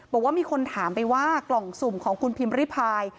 บอกว่ามีคนถามไปว่ากล่องสุ่มของคุณพิมพ์ริพาย